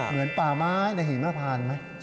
เหมือนป่าไม้ในหิมพานไหม